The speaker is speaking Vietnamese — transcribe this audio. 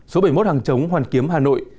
số bảy mươi một hàng chống hoàn kiếm hà nội